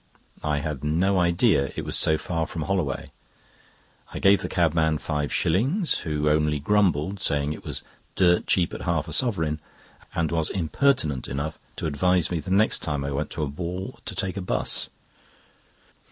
I had no idea it was so far from Holloway. I gave the cabman five shillings, who only grumbled, saying it was dirt cheap at half a sovereign, and was impertinent enough to advise me the next time I went to a ball to take a 'bus.